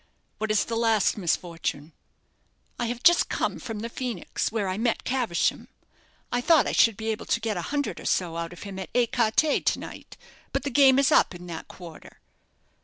What is the last misfortune?" "I have just come from the Phoenix, where I met Caversham, I thought I should be able to get a hundred or so out of him at écarté to night; but the game is up in that quarter."